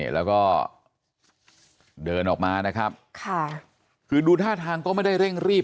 แล้วก็เดินออกมานะครับค่ะคือดูท่าทางก็ไม่ได้เร่งรีบ